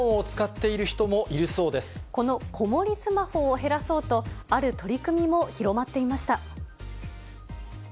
このこもりスマホを減らそうと、ある取り組みも広まっていました。